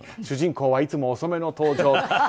主人公はいつも遅めの登場。